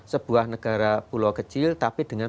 sebuah negara pulau kecil tapi dengan